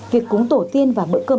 việc cúng tổ tiên và mượn cơm